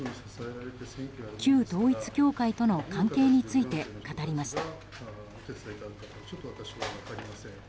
旧統一教会との関係について語りました。